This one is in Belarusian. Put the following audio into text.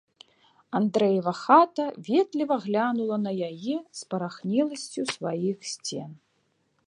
Андрэева хата ветліва глянула на яе спарахнеласцю сваіх сцен.